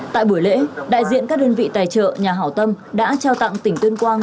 tại buổi lễ đại diện các đơn vị tài trợ nhà hảo tâm đã trao tặng tỉnh tuyên quang